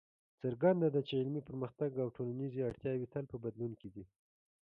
څرګنده ده چې علمي پرمختګ او ټولنیزې اړتیاوې تل په بدلون کې دي.